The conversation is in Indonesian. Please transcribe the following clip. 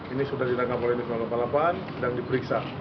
ini sudah ditangkap oleh nesma delapan puluh delapan sedang diperiksa